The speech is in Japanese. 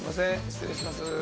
失礼します。